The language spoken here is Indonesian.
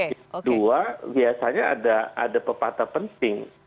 kedua biasanya ada pepatah penting